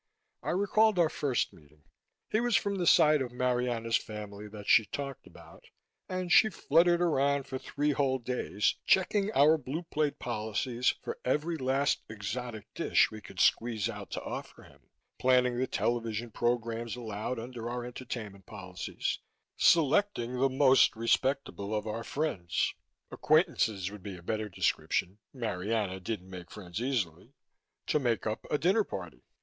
I recalled our first meeting. He was from the side of Marianna's family that she talked about, and she fluttered around for three whole days, checking our Blue Plate policies for every last exotic dish we could squeeze out to offer him, planning the television programs allowed under our entertainment policies, selecting the most respectable of our friends "acquaintances" would be a better description; Marianna didn't make friends easily to make up a dinner party.